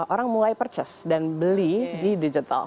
orang mulai purchase dan beli di digital